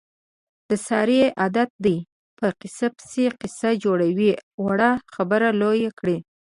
د سارې عادت دی، په قیصه پسې قیصه جوړوي. وړه خبره لویه کړي.